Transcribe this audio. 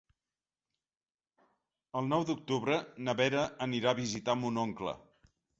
El nou d'octubre na Vera anirà a visitar mon oncle.